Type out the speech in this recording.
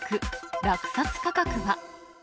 落札価格は？